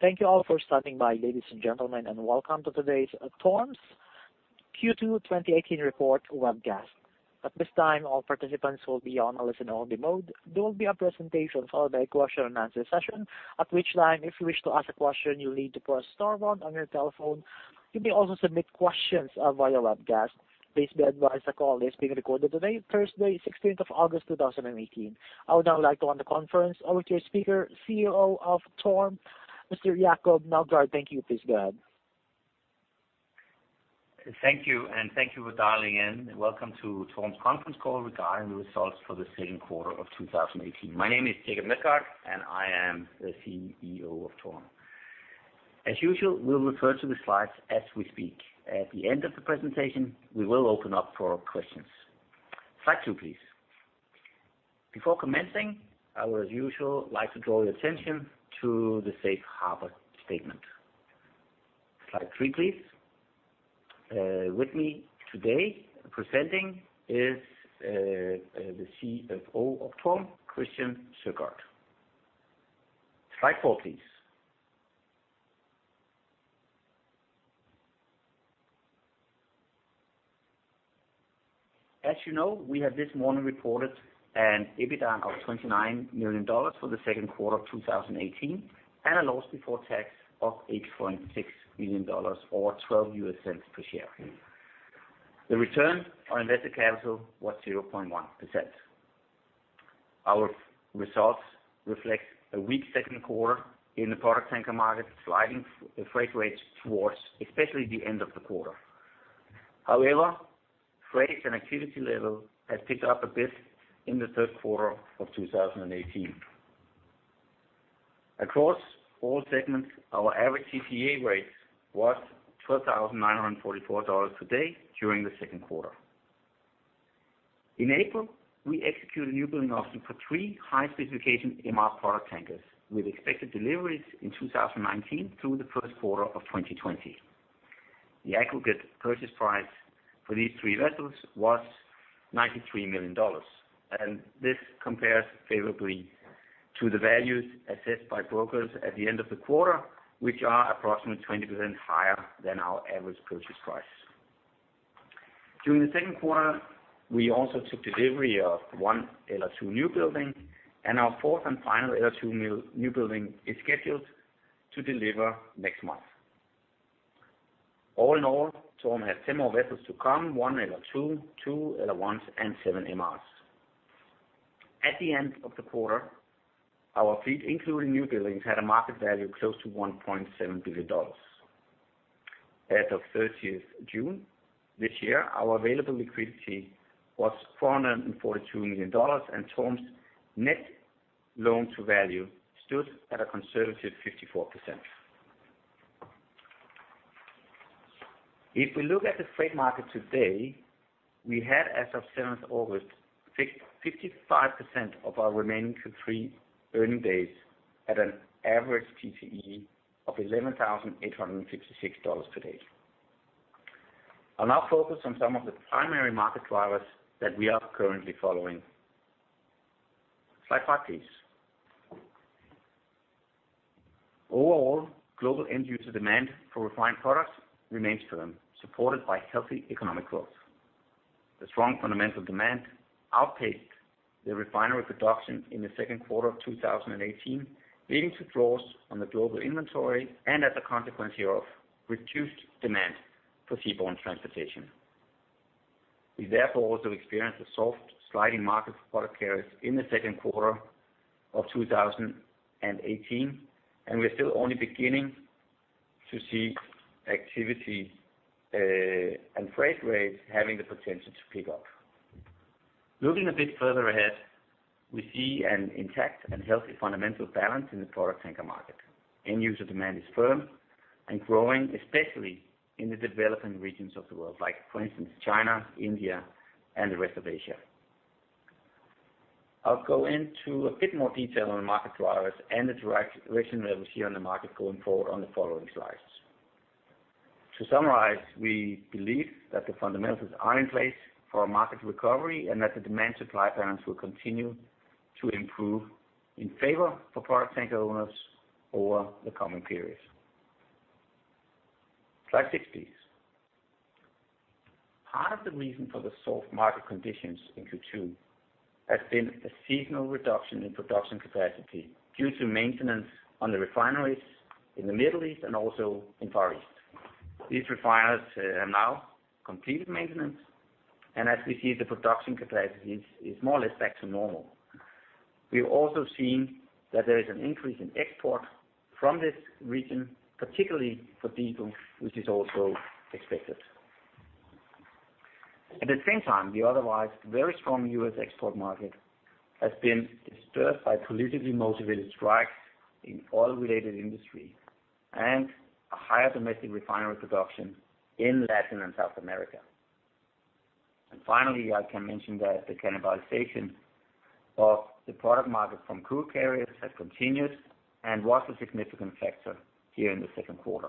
Thank you all for standing by, ladies and gentlemen, and welcome to today's TORM's Q2 2018 report webcast. At this time, all participants will be on a listen only mode. There will be a presentation followed by a question-and-answer session, at which time, if you wish to ask a question, you'll need to press star one on your telephone. You may also submit questions via webcast. Please be advised, the call is being recorded today, Thursday, 16th of August, 2018. I would now like to hand the conference over to your speaker, CEO of TORM, Mr. Jacob Meldgaard. Thank you. Please go ahead. Thank you, thank you for dialing in. Welcome to TORM's conference call regarding the results for the second quarter of 2018. My name is Jacob Meldgaard, I am the CEO of TORM. As usual, we'll refer to the slides as we speak. At the end of the presentation, we will open up for questions. Slide 2, please. Before commencing, I would, as usual, like to draw your attention to the safe harbor statement. Slide 3, please. With me today, presenting is the CFO of TORM, Christian Søgaard. Slide 4, please. As you know, we have this morning reported an EBITDA of $29 million for the second quarter of 2018, a loss before tax of $8.6 million or $0.12 per share. The Return on Invested Capital was 0.1%. Our results reflect a weak second quarter in the product tanker market, sliding freight rates towards especially the end of the quarter. Freight and activity level has picked up a bit in the third quarter of 2018. Across all segments, our average TCE rate was $12,944 today during the second quarter. In April, we executed a new building option for 3 high specification MR product tankers, with expected deliveries in 2019 through the first quarter of 2020. The aggregate purchase price for these three vessels was $93 million, and this compares favorably to the values assessed by brokers at the end of the quarter, which are approximately 20% higher than our average purchase price. During the second quarter, we also took delivery of one LR2 new building. Our fourth and final LR2 new building is scheduled to deliver next month. All in all, TORM has 10 more vessels to come, one LR2, two LR1s, and seven MRs. At the end of the quarter, our fleet, including new buildings, had a market value close to $1.7 billion. As of 30th June this year, our available liquidity was $442 million. TORM's Net Loan to Value stood at a conservative 54%. If we look at the freight market today, we had, as of 7th August, 55% of our remaining Q3 earning days at an average TCE of $11,856 today. I'll now focus on some of the primary market drivers that we are currently following. Slide 5, please. Overall, global end user demand for refined products remains firm, supported by healthy economic growth. The strong fundamental demand outpaced the refinery production in the second quarter of 2018, leading to draws on the global inventory and as a consequence here of reduced demand for seaborne transportation. We therefore also experienced a soft sliding market for product carriers in the second quarter of 2018. We're still only beginning to see activity and freight rates having the potential to pick up. Looking a bit further ahead, we see an intact and healthy fundamental balance in the product tanker market. End user demand is firm and growing, especially in the developing regions of the world, like, for instance, China, India, and the rest of Asia. I'll go into a bit more detail on the market drivers and the direct direction that we see on the market going forward on the following slides. To summarize, we believe that the fundamentals are in place for a market recovery and that the demand supply balance will continue to improve in favor for product tanker owners over the coming periods. Slide 6, please. Part of the reason for the soft market conditions in Q2 has been a seasonal reduction in production capacity due to maintenance on the refineries in the Middle East and also in Far East. As we see, the production capacity is more or less back to normal. We've also seen that there is an increase in export from this region, particularly for diesel, which is also expected. The otherwise very strong U.S. export market has been disturbed by politically motivated strikes in oil-related industry and a higher domestic refinery production in Latin and South America. Finally, I can mention that the cannibalization of the product market from crude carriers has continued and was a significant factor here in the second quarter.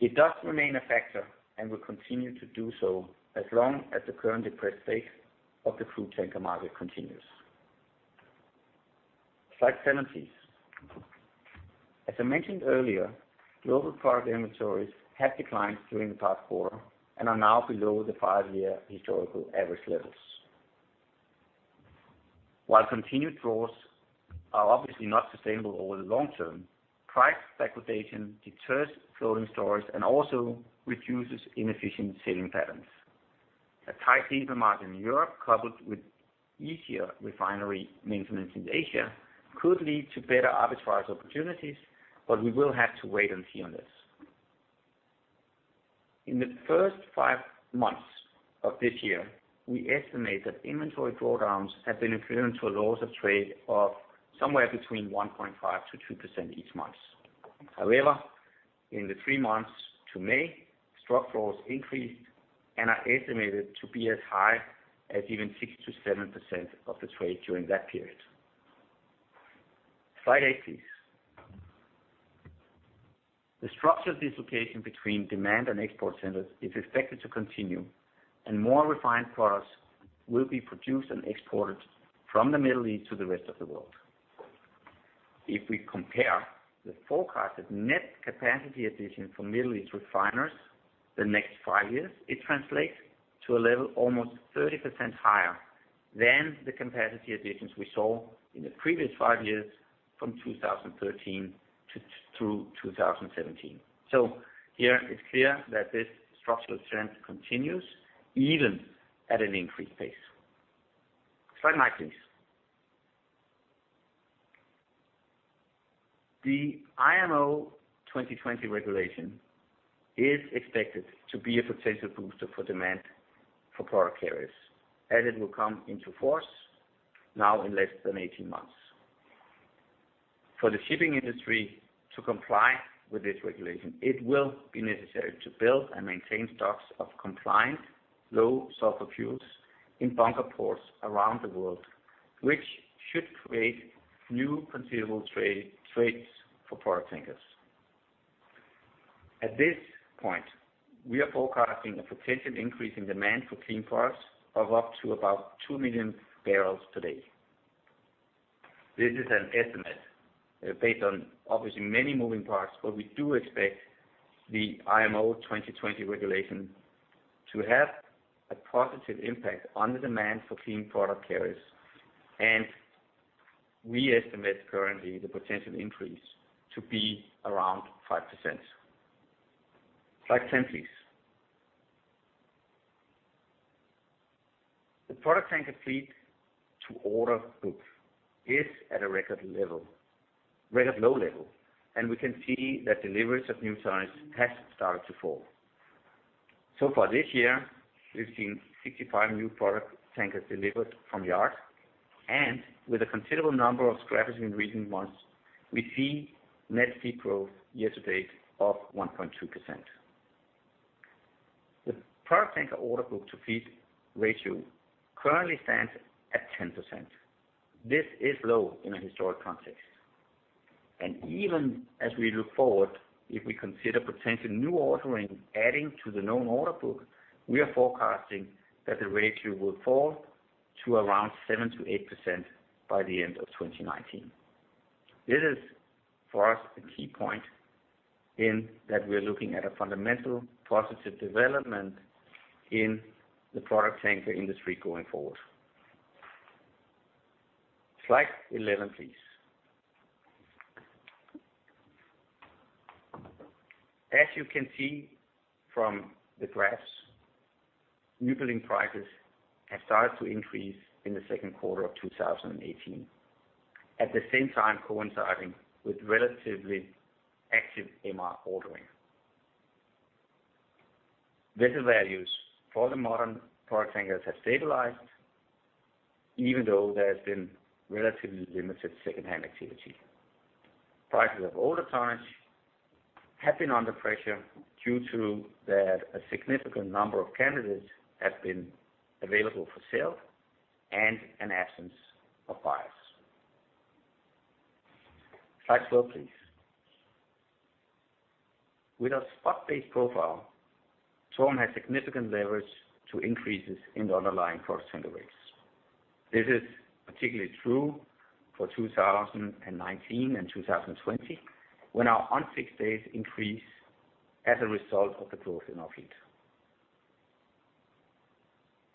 It does remain a factor and will continue to do so as long as the current depressed state of the crude tanker market continues. Slide 7, please. As I mentioned earlier, global product inventories have declined during the past quarter and are now below the five year historical average levels. While continued draws are obviously not sustainable over the long term, price backwardation deters floating storage and also reduces inefficient sailing patterns. A tight labor market in Europe, coupled with easier refinery maintenance in Asia, could lead to better arbitrage opportunities, but we will have to wait and see on this. In the first five months of this year, we estimate that inventory drawdowns have been equivalent to a loss of trade of somewhere between 1.5%-2% each month. However, in the three months to May, struct draws increased and are estimated to be as high as even 6%-7% of the trade during that period. Slide eight, please. The structural dislocation between demand and export centers is expected to continue, and more refined products will be produced and exported from the Middle East to the rest of the world. If we compare the forecasted net capacity addition for Middle East refiners the next five years, it translates to a level almost 30% higher than the capacity additions we saw in the previous five years from 2013 to, through 2017. Here, it's clear that this structural trend continues even at an increased pace. Slide 9, please. The IMO 2020 regulation is expected to be a potential booster for demand for product carriers, as it will come into force now in less than 18 months. For the shipping industry to comply with this regulation, it will be necessary to build and maintain stocks of compliant low sulfur fuels in bunker ports around the world, which should create new considerable trades for product tankers. At this point, we are forecasting a potential increase in demand for clean products of up to about 2 million barrels per day. This is an estimate based on obviously many moving parts. We do expect the IMO 2020 regulation to have a positive impact on the demand for clean product carriers. We estimate currently the potential increase to be around 5%. Slide 10, please. The product tanker fleet to order book is at a record low level. We can see that deliveries of new tonnage has started to fall. Far this year, we've seen 65 new product tankers delivered from yard. With a considerable number of scrappage in recent months, we see net fleet growth year to date of 1.2%. The product tanker order book to fleet ratio currently stands at 10%. This is low in a historic context, and even as we look forward, if we consider potential new ordering adding to the known order book, we are forecasting that the ratio will fall to around 7%-8% by the end of 2019. This is, for us, a key point in that we are looking at a fundamental positive development in the product tanker industry going forward. Slide 11, please. As you can see from the graphs, new building prices have started to increase in the second quarter of 2018, at the same time coinciding with relatively active MR ordering. Vessel values for the modern product tankers have stabilized even though there's been relatively limited secondhand activity. Prices of older tonnage have been under pressure due to that a significant number of candidates have been available for sale and an absence of buyers. Slide 12, please. With our spot-based profile, TORM has significant leverage to increases in the underlying product tanker rates. This is particularly true for 2019 and 2020, when our unfixed days increase as a result of the growth in our fleet.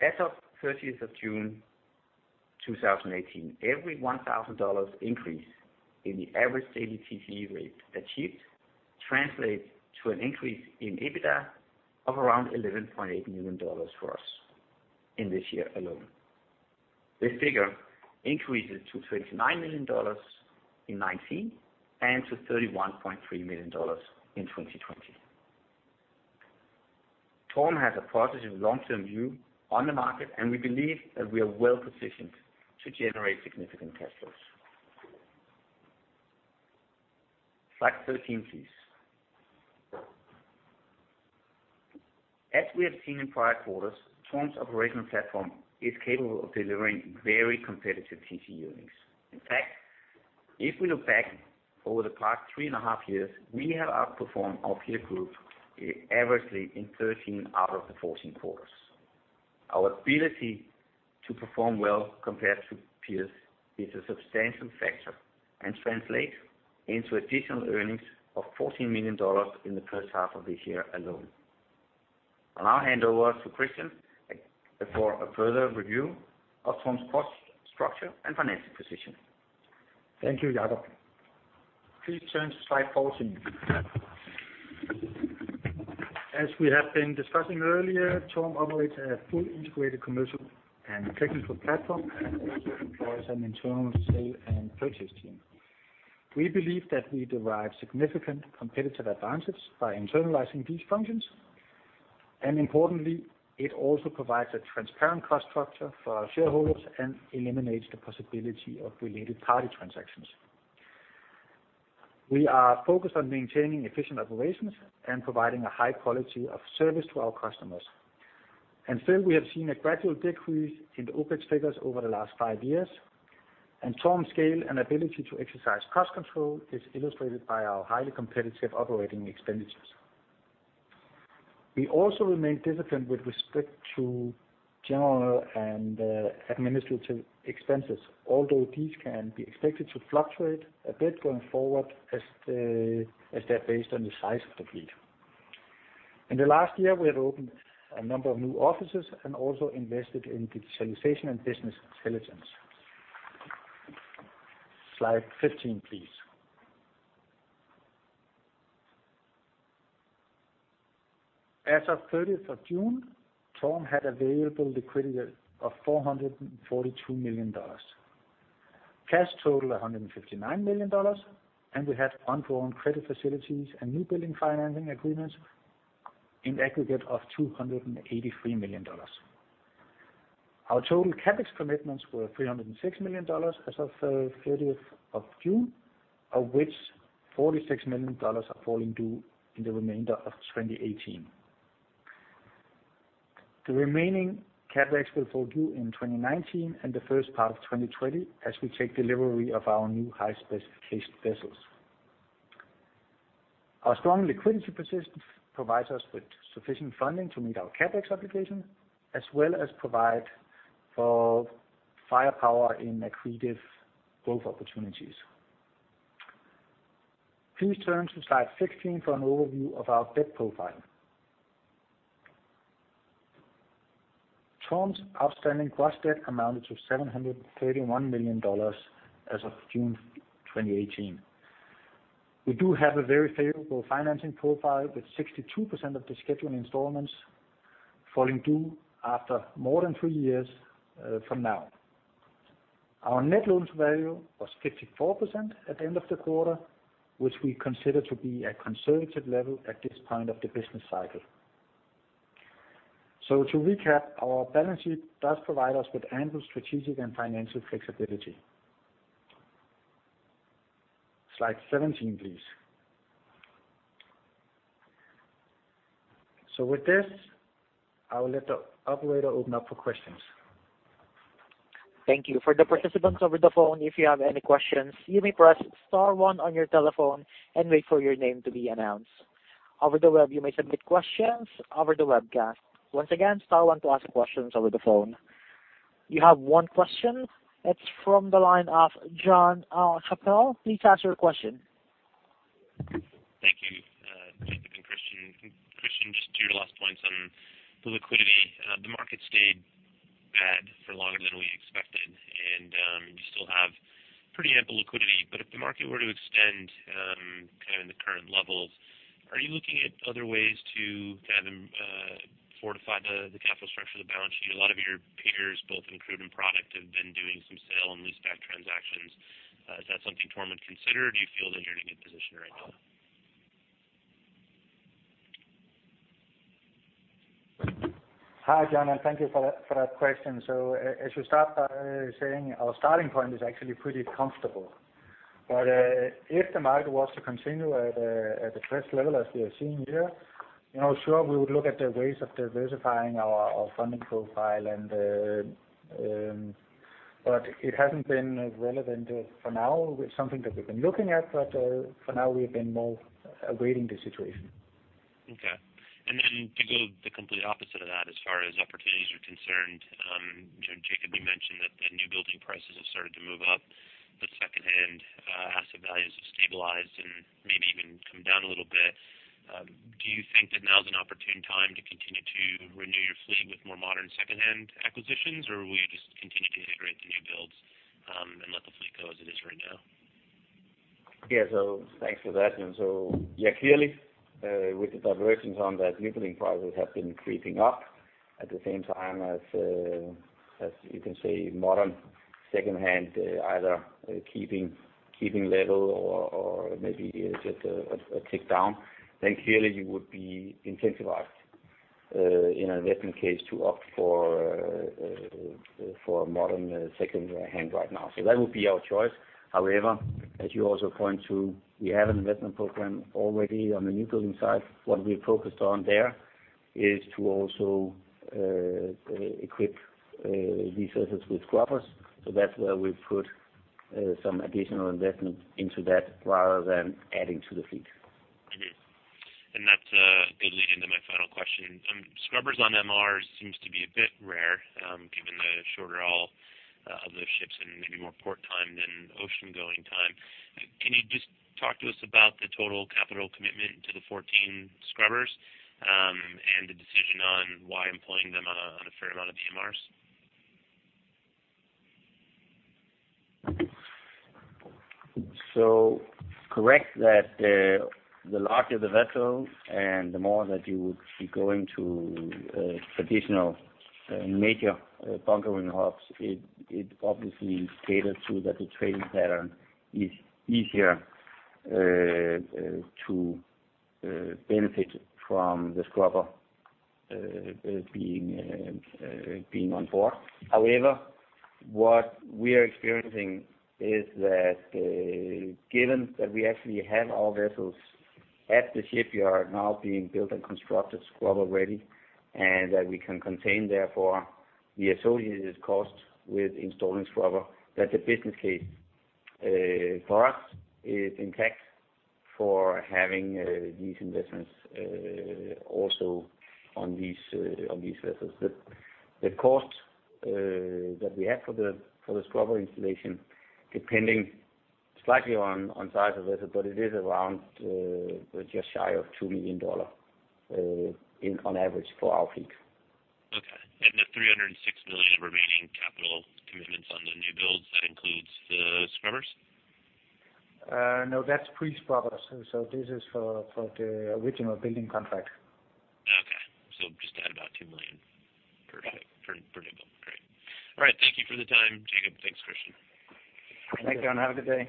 As of 30th of June, 2018, every $1,000 increase in the average TCE rate achieved translates to an increase in EBITDA of around $11.8 million for us in this year alone. This figure increases to $29 million in 2019, and to $31.3 million in 2020. TORM has a positive long-term view on the market. We believe that we are well positioned to generate significant cash flows. Slide 13, please. We have seen in prior quarters, TORM's operational platform is capable of delivering very competitive TC earnings. In fact, if we look back over the past three and a half years, we have outperformed our peer group, adversely in 13 out of the 14 quarters. Our ability to perform well compared to peers is a substantial factor, translate into additional earnings of $14 million in the first half of this year alone. I'll now hand over to Christian for a further review of TORM's cost structure and financial position. Thank you, Jacob. Please turn to Slide 14. As we have been discussing earlier, TORM operates a full integrated commercial and technical platform, also employs an internal sale and purchase team. We believe that we derive significant competitive advantages by internalizing these functions, importantly, it also provides a transparent cost structure for our shareholders and eliminates the possibility of related party transactions. We are focused on maintaining efficient operations and providing a high quality of service to our customers. Still, we have seen a gradual decrease in the OpEx figures over the last five years, and TORM's scale and ability to exercise cost control is illustrated by our highly competitive operating expenditures. We also remain disciplined with respect to general and administrative expenses, although these can be expected to fluctuate a bit going forward, as they're based on the size of the fleet. In the last year, we have opened a number of new offices and also invested in digitalization and business intelligence. Slide 15, please. As of 30th of June, TORM had available liquidity of $442 million. Cash total, $159 million. We had undrawn credit facilities and new building financing agreements in aggregate of $283 million. Our total CapEx commitments were $306 million as of 30th of June, of which $46 million are falling due in the remainder of 2018. The remaining CapEx will fall due in 2019 and the first part of 2020, as we take delivery of our new high specification vessels. Our strong liquidity position provides us with sufficient funding to meet our CapEx obligations, as well as provide for firepower in accretive growth opportunities. Please turn to slide 16 for an overview of our debt profile. TORM's outstanding gross debt amounted to $731 million as of June 2018. We do have a very favorable financing profile, with 62% of the scheduling installments falling due after more than three years from now. Our Net Loan to Value was 54% at the end of the quarter, which we consider to be a conservative level at this point of the business cycle. To recap, our balance sheet does provide us with ample strategic and financial flexibility. Slide 17, please. With this, I will let the operator open up for questions. Thank you. For the participants over the phone, if you have any questions, you may press star one on your telephone and wait for your name to be announced. Over the web, you may submit questions over the webcast. Once again, star one to ask questions over the phone. You have one question. It's from the line of John Chappell. Please ask your question. Thank you, Jacob and Christian. Christian, just to your last points on the liquidity, the market stayed bad for longer than we expected, and you still have pretty ample liquidity. If the market were to extend, kind of in the current levels, are you looking at other ways to kind of fortify the capital structure of the balance sheet? A lot of your peers, both in crude and product, have been doing some sale and leaseback transactions. Is that something TORM would consider, or do you feel that you're in a good position right now? Hi, John, and thank you for that, for that question. As we start by saying, our starting point is actually pretty comfortable. If the market was to continue at the current level, as we are seeing here, you know, sure, we would look at the ways of diversifying our funding profile and... It hasn't been relevant for now, it's something that we've been looking at, for now, we've been more awaiting the situation. To go the complete opposite of that, as far as opportunities are concerned, you know, Jacob, you mentioned that the new building prices have started to move up, but second-hand asset values have stabilized and maybe even come down a little bit. Do you think that now is an opportune time to continue to renew your fleet with more modern second-hand acquisitions, or will you just continue to integrate the new builds, and let the fleet go as it is right now? Thanks for that, John. Clearly, with the divergence on that, new building prices have been creeping up at the same time as you can say, modern second-hand, either keeping level or maybe just a tick down, then clearly you would be incentivized, in an investment case, to opt for a modern second-hand right now. That would be our choice. However, as you also point to, we have an investment program already on the new building side. What we focused on there is to also equip these vessels with scrubbers. That's where we put some additional investment into that rather than adding to the fleet. That's a good lead into my final question. Scrubbers on MRs seems to be a bit rare, given the shorter all of those ships and maybe more port time than ocean-going time. Can you just talk to us about the total capital commitment to the 14 scrubbers, and the decision on why employing them on a fair amount of MRs? Correct that, the larger the vessel and the more that you would be going to traditional major bunkering hubs, it obviously caters to that the trading pattern is easier to benefit from the scrubber being on board. However, what we are experiencing is that, given that we actually have all vessels at the shipyard now being built and constructed scrubber-ready, and that we can contain therefore the associated cost with installing scrubber, that the business case for us is intact for having these investments also on these vessels. The cost that we have for the scrubber installation, depending slightly on size of vessel, but it is around just shy of $2 million in on average for our fleet. Okay. The $306 million remaining capital commitments on the new builds, that includes the scrubbers? No, that's pre-scrubbers. This is for the original building contract. Okay. just add about $2 million- Right. per build. Great. All right, thank you for the time, Jacob. Thanks, Christian. Thank you, and have a good day.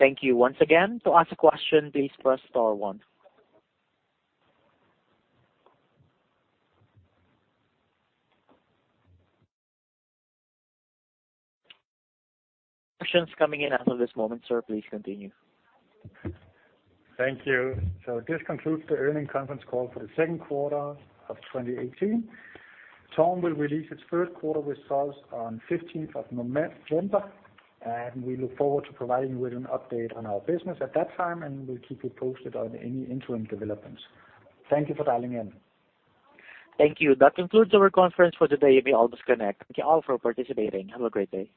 Thank you once again. To ask a question, please press star one. Questions coming in as of this moment, sir, please continue. Thank you. This concludes the earnings conference call for the second quarter of 2018. TORM will release its third quarter results on 15th of September, and we look forward to providing you with an update on our business at that time, and we'll keep you posted on any interim developments. Thank you for dialing in. Thank you. That concludes our conference for today. You may all disconnect. Thank you all for participating. Have a great day.